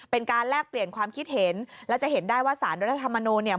แลกเปลี่ยนความคิดเห็นและจะเห็นได้ว่าสารรัฐธรรมนูลเนี่ย